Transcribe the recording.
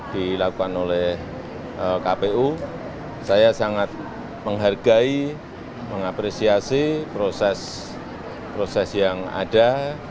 dilakukan oleh kpu saya sangat menghargai mengapresiasi proses yang ada